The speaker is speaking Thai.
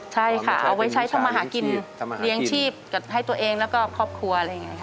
ใช่ค่ะเอาไว้ใช้ทำมาหากินเลี้ยงชีพให้ตัวเองแล้วก็ครอบครัวอะไรอย่างนี้ค่ะ